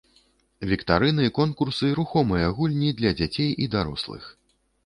Віктарыны, конкурсы, рухомыя гульні для дзяцей і дарослых.